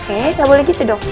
eh gak boleh gitu dong